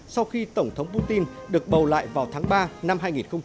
sau khi tổng thống putin được bầu lại vào tháng ba năm hai nghìn một mươi tám